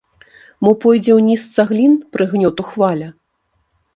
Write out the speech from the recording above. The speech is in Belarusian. Мо пойдзе ўніз цаглін прыгнёту хваля?